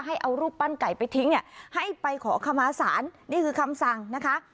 ให้เอารูปปั้นไก่ไปทิ้งเนี่ยให้ไปขอขมาศาลนี่คือคำสั่งนะคะ